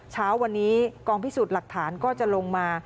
เช้าวันนี้กองพิสูจน์หลักฐานก็จะลงมา